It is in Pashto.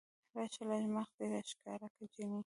راشه لږ مخ دې راښکاره که جينۍ